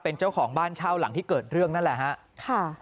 เป็นเจ้าของบ้านเช่าหลังที่เกิดเรื่องนั่นแหละฮะค่ะ